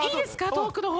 トークの方。